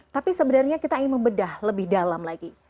tapi sebenarnya kita ingin membedah lebih dalam lagi